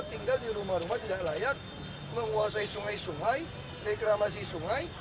tinggal di rumah rumah tidak layak menguasai sungai sungai reklamasi sungai